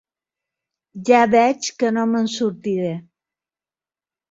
Ja veig que no me'n sortiré.